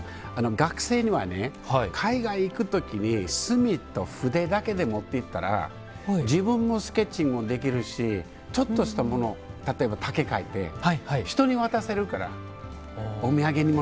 学生にはね海外行く時に墨と筆だけで持っていったら自分もスケッチもできるしちょっとしたもの例えば竹描いて人に渡せるからお土産にもなりますよって。